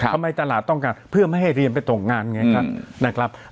ทำไมตลาดต้องการเพื่อไม่ให้เรียนไปตกงานไงครับ